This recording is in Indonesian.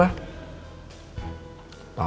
ya sudah pak